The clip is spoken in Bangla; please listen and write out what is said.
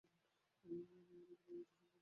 আমি মারা গেলে সেই সম্ভাবনা অনেক বেশি থাকে।